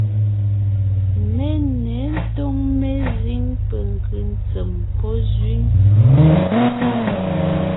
Mé ně ńtóŋ mezíŋ penkʉ́ ntsèm pɔ́ zẅíŋ.